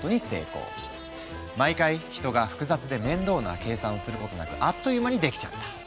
毎回人が複雑で面倒な計算をすることなくあっという間にできちゃった。